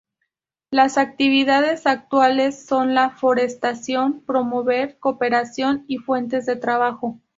Las actividades actuales son la forestación, promover cooperación y fuentes de trabajo.